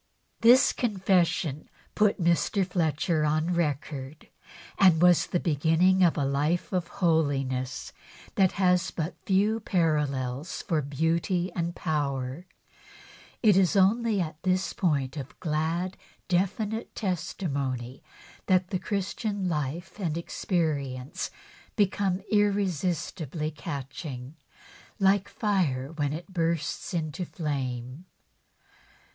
This confession put Mr. Fletcher on record, and was the beginning of a life of holiness that has but few parallels for beauty and power. It is only at this point of glad, definite testimony that Christian life and experience become irresistibly catching, like fire when it bursts into flame.